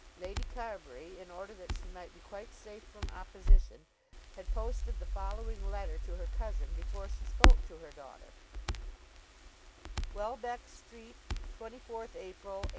Lady Carbury, in order that she might be quite safe from opposition, had posted the following letter to her cousin before she spoke to her daughter: Welbeck Street, 24th April, 18